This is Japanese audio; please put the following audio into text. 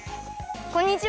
こんにちは！